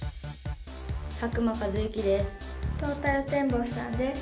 佐久間一行です。